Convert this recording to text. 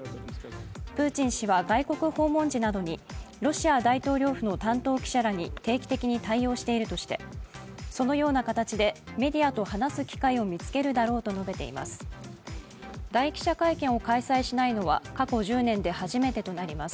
プーチン氏は外国訪問時などに、ロシア大統領府の担当記者らに定期的に対応しているとしてそのような形で、メディアと話す機会を見つけるだろうと述べています。